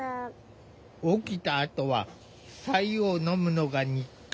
起きたあとはさ湯を飲むのが日課。